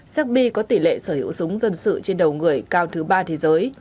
serbi có tỷ lệ sở hữu súng dân sự trên đầu người cao thứ ba thế giới